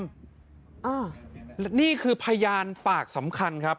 นี่คือพยานปากสำคัญครับ